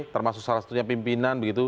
termasuk salah satunya pimpinan begitu